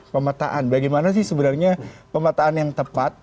pemetaan bagaimana sih sebenarnya pemetaan yang tepat